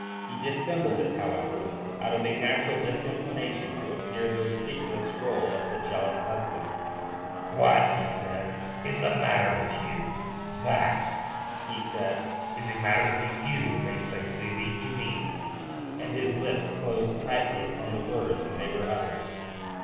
He dissembled it, however, out of a natural disinclination to appear in the ridiculous role of the jealous husband. "That," he said, "is a matter that you may safely leave to me," and his lips closed tightly upon the words when they were uttered.